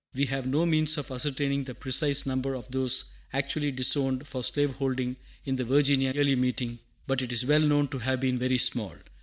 We have no means of ascertaining the precise number of those actually disowned for slave holding in the Virginia Yearly Meeting, but it is well known to have been very small.